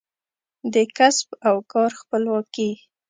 د کسب او کار خپلواکي